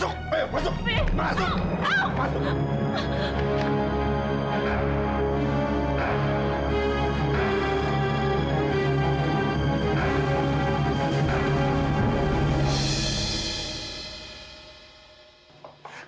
jangan lupakan aku